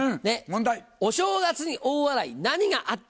「お正月に大笑い何があった？」